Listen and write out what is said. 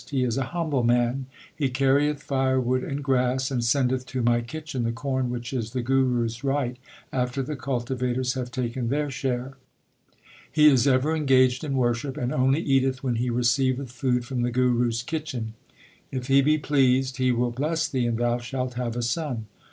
He is a humble man. He carrieth firewood and grass, and sendeth to my kitchen the corn which is the Guru s right after the cultivators have taken their share. He is ever engaged in worship, and only eateth when he receiveth food from the Guru s kitchen. If he be pleased, he will bless thee and thou shalt have a son.